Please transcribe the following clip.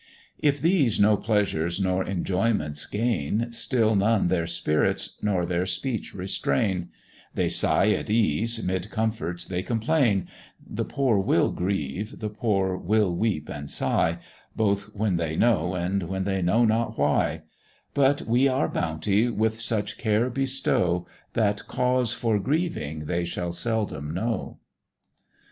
If these no pleasures nor enjoyments gain, Still none their spirits nor their speech restrain; They sigh at ease, 'mid comforts they complain, The poor will grieve, the poor will weep and sigh, Both when they know, and when they know not why; But we our bounty with such care bestow, That cause for grieving they shall seldom know.